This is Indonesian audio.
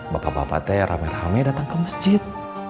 bapak bapak teh rame rame datang ke masjid